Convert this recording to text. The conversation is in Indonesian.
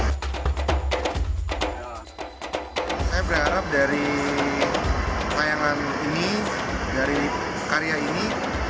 saya berharap dari tayangan ini dari karya ini